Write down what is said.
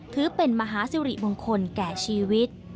ถือเป็นมหาสิริมงคลแก่ชีวิต